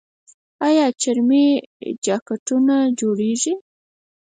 آیا چرمي جاکټونه جوړیږي؟